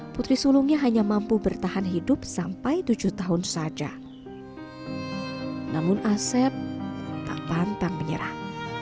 putri sulungnya hanya mampu bertahan hidup sampai tujuh tahun saja namun asep tak pantang menyerah